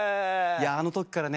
あの時からね